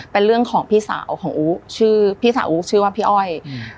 เป็นเรื่องของพี่สาวของอู๋ชื่อพี่สาวอู๋ชื่อว่าพี่อ้อยอืม